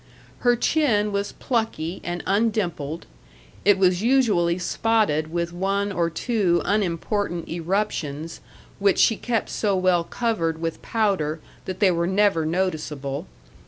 Her chin was plucky and undimpled; it was usually spotted with one or two unimportant eruptions, which she kept so well covered with powder that they were never noticeable.